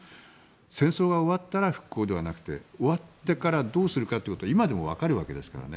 戦争が終わったら復興ではなくて終わってからどうするかは今でもわかるわけですからね。